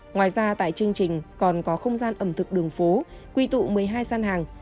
ngoài ra tại chương trình còn có không gian ẩm thực đường phố quy tụ một mươi hai gian hàng